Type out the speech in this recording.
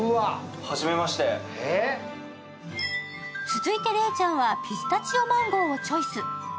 続いて礼ちゃんはピスタチオ・マンゴーをチョイス。